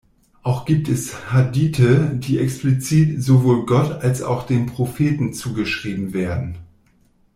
Auch gibt es "Hadithe", die explizit sowohl Gott, als auch dem Propheten zugeschrieben werden.